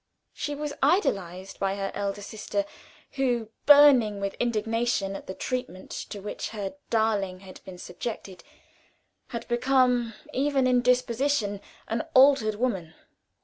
She was idolized by her elder sister, who, burning with indignation at the treatment to which her darling had been subjected, had become, even in disposition, an altered woman.